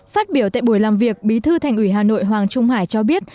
phát biểu tại buổi làm việc bí thư thành ủy hà nội hoàng trung hải cho biết